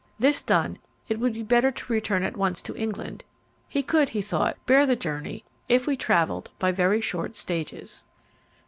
This done, it would be better to return at once to England: he could, he thought, bear the journey if we travelled by very short stages.